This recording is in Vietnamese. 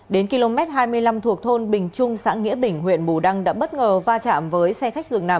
đến km hai mươi năm thuộc thôn bình trung xã nghĩa bình huyện bù đăng đã bất ngờ va chạm với xe khách dường nằm